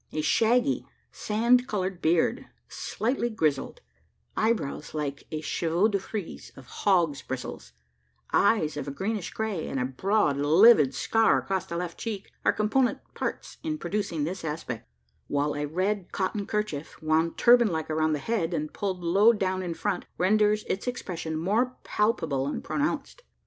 A shaggy sand coloured beard, slightly grizzled; eyebrows like a chevaux de frise of hogs' bristles; eyes of a greenish grey, and a broad livid scar across the left cheek are component parts in producing this aspect; while a red cotton kerchief, wound turban like around the head, and pulled low down in front, renders its expression more palpable and pronounced.